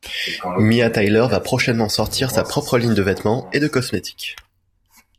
Mia Tyler va prochainement sortir sa propre ligne de vêtements et de cosmétiques.